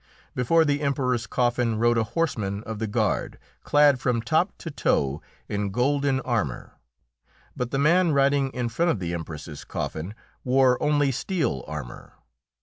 Before the Emperor's coffin rode a horseman of the guard, clad from top to toe in golden armour; but the man riding in front of the Empress's coffin wore only steel armour.